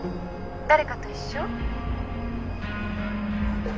誰かと一緒？